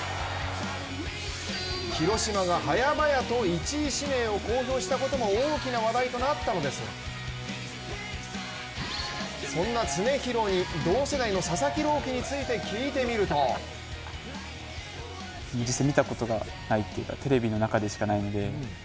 広島が早々と１位指名を公表したことも大きな話題となったのですがそんな常廣に同世代の佐々木朗希について聞いてみるととかなり控えめなコメント。